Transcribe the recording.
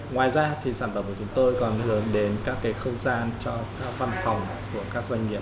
ngoài ra thì sản phẩm của chúng tôi còn hướng đến các không gian cho các văn phòng của các doanh nghiệp